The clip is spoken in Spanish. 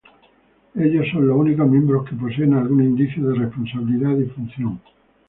Ellos son los únicos miembros que poseen algún indicio de responsabilidad y función.